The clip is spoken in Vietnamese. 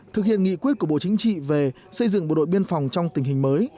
thực hiện nghị quyết của bộ chính trị về xây dựng bộ đội biên phòng trong tình hình mới